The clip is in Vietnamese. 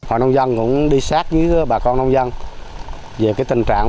ông đặng quang hải vừa chặt bò một hectare hồ tiêu đào rễ bán được hơn bốn triệu đồng